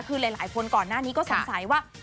คือหลายคนก่อนหน้านี้ก็สงสัยว่า